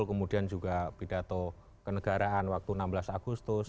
kemudian juga pidato kenegaraan waktu enam belas agustus